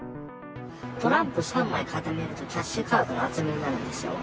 トランプ３枚固めるとキャッシュカードの厚みになるんですよ。